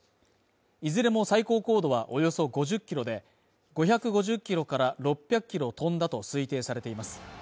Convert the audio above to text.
いずれも最高高度はおよそ５０キロで５５０キロから６００キロ飛んだと推定されています